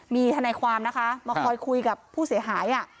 มีทนายความนะคะมาคอยคุยกับผู้เสียหาย